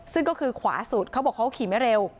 ซึ่งก็คือขวาสุดเขาบอกเขาขี่ไม่เร็ว